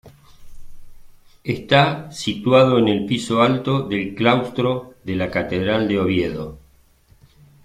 Está situado en el piso alto del claustro de la Catedral de Oviedo.